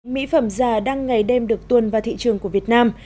mỹ phẩm già đang ngày đêm được tuân vào thị trường của việt nam